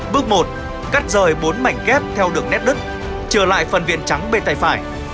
bước một cắt rời bốn mảnh ghép theo đường nét đứt chừa lại phần viện trắng bên tay phải